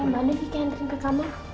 ayah mbak andin kaya ngeri ke kamar